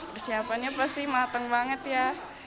persiapannya pasti matang banget ya